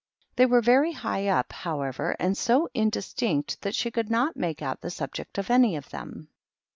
They were very high up, however, and so indistinct that she could not make out the subjects of any of them.